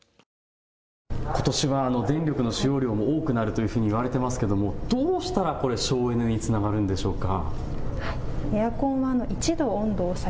ことしは電力の使用量も多くなるといわれていますが、どうしたら省エネにつながるんでしょうか。